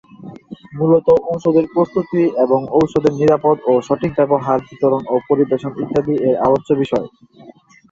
মূলত ঔষধের প্রস্তুতি এবং ঔষধের নিরাপদ ও সঠিক ব্যবহার, বিতরণ ও পরিবেশন, ইত্যাদি এর আলোচ্য বিষয়।